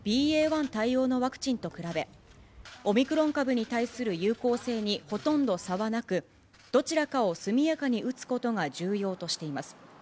１対応のワクチンと比べ、オミクロン株に対する有効性にほとんど差はなく、どちらかを速やかに打つことが重要としています。